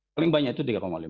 paling banyak itu tiga lima